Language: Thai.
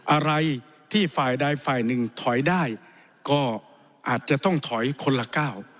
อะไรที่ฝ่ายใดฝ่ายหนึ่งถอยได้ก็อาจจะต้องถอยคนละก้าว